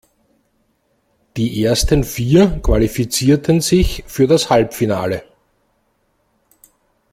Die ersten vier qualifizierten sich für das Halbfinale.